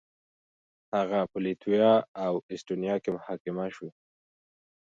هغه په لتويا او اېسټونيا کې محاکمه شو.